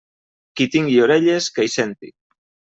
Qui tingui orelles que hi senti.